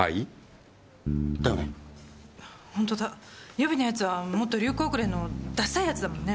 予備のやつはもっと流行遅れのダサイやつだもんね。